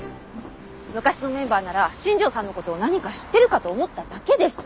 昔のメンバーなら新庄さんの事を何か知ってるかと思っただけです。